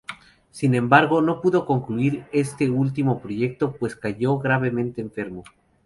Sin embargo, no pudo concluir este último proyecto, pues cayó gravemente enfermo.